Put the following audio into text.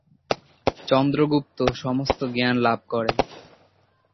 চন্দ্রগুপ্ত সমস্ত জ্ঞান লাভ করে।